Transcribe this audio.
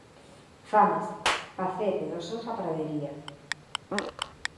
Fames, pacede dos sons a pradería.